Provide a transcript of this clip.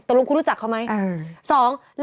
ตกลงคุณรู้จักเขาไหม